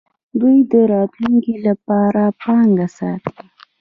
دوی د راتلونکي لپاره پانګه ساتي.